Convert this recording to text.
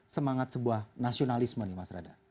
semangat sebuah nasionalisme nih mas radar